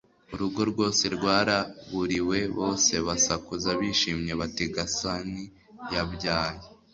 urugo rwose rwaraburiwe, bose basakuza bishimye bati gasani yabyaye